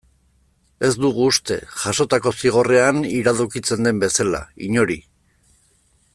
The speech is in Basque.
Ez dugu uste, jasotako zigorrean iradokitzen den bezala, inori.